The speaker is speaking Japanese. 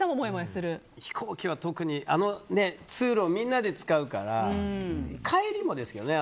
飛行機は特に通路はみんなで使うから帰りもですけどね。